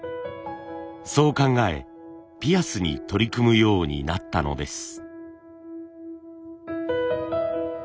そう考えピアスに取り組むようになったのです。